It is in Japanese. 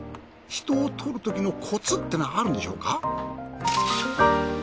人を撮るときのコツっていうのはあるんでしょうか？